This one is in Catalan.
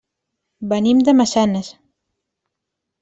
Venim de Massanes.